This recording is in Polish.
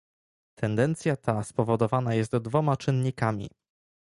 Tendencja ta spowodowana jest dwoma czynnikami